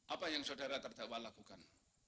apa yang saudara terdakwa lakukan